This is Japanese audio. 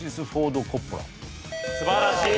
素晴らしい！